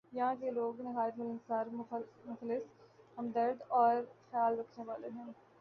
یہاں کے لوگ نہایت ملنسار ، مخلص ، ہمدرد اورخیال رکھنے والے ہیں ۔